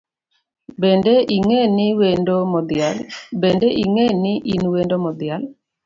Bende ing’eni in wendo modhial